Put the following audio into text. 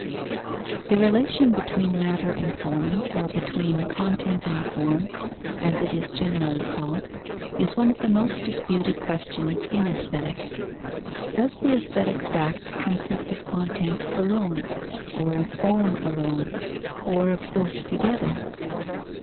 _ The relation between matter and form, or between content and form, as it is generally called, is one of the most disputed questions in Aesthetic. Does the aesthetic fact consist of content alone, or of form alone, or of both together?